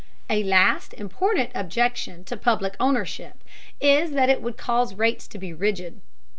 A last important objection to public ownership is that it would cause rates to be rigid.